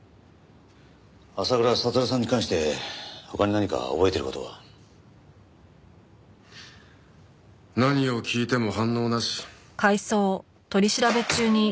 浅倉悟さんに関して他に何か覚えている事は？何を聞いても反応なし。